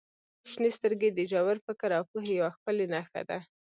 • شنې سترګې د ژور فکر او پوهې یوه ښکلې نښه دي.